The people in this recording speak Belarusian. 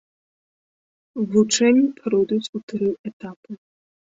Вучэнні пройдуць у тры этапы.